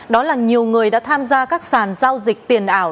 đó là nhiều người đã tham gia các sàn giao dịch tiền ảo